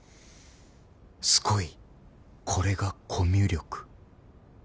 すごいこれがコミュ力